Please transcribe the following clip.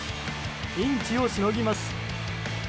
ピンチをしのぎます。